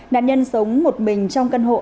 nạn nhân sống một mình trong căn hộ